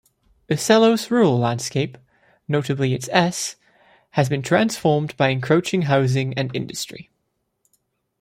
Usselo's rural landscape, notably its Es, has been transformed by encroaching housing and industry.